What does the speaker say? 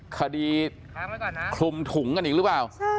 คดีคลุมถุงกันอีกหรือเปล่า